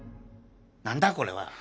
何だこれは？